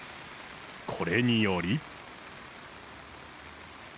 これにより。